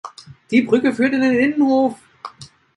Die Brücke führt in den Innenhof.